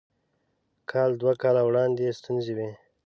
کال دوه کاله وړاندې ستونزې وې.